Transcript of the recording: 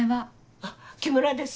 あっ木村です。